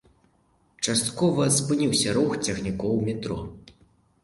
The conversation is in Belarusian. Часткова спыніўся рух цягнікоў у метро.